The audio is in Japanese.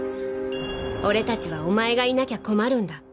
「俺達はお前がいなきゃ困るんだ」